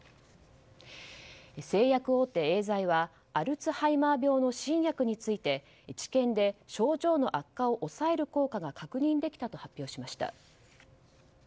製薬大手エーザイはアルツハイマー病の新薬について治験で症状の悪化を抑える効果が確認できたと発表しました。